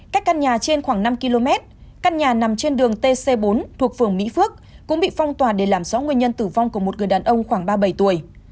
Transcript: cách căn nhà trên khoảng năm km căn nhà nằm trên đường tc bốn thuộc phường mỹ phước cũng bị phong tỏa để làm rõ nguyên nhân tử vong của một người đàn ông khoảng ba mươi bảy tuổi